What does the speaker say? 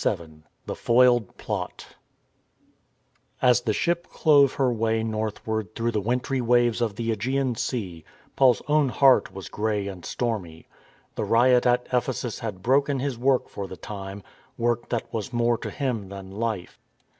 XXVII THE FOILED PLOT 4 S the ship clove her way northward through the /% wintry waves of the ^Egean Sea, Paul's own heart was grey and stormy. The riot at Ephe sus had broken his work for the time, work that was more to him than life.